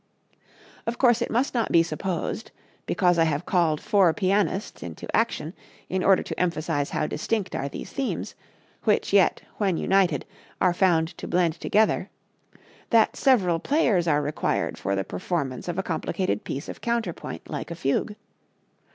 Of course, it must not be supposed, because I have called four pianists into action in order to emphasize how distinct are these themes, which yet, when united, are found to blend together, that several players are required for the performance of a complicated piece of counterpoint like a fugue.